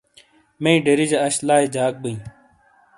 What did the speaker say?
مئیی ڈیرِیجہ اَش لائی جاک بئیں